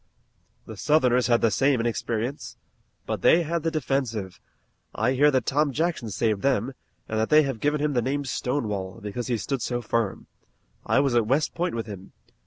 "The Southerners had the same inexperience." "But they had the defensive. I hear that Tom Jackson saved them, and that they have given him the name Stonewall, because he stood so firm. I was at West Point with him.